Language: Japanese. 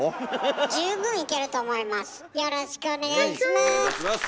よろしくお願いします。